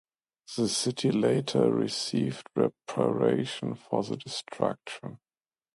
The city later received reparation for the destruction.